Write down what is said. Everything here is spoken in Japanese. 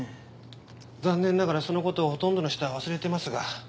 残念ながらその事をほとんどの人は忘れていますが。